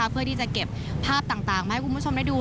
เพื่อที่จะเก็บภาพต่างมาให้คุณผู้ชมได้ดู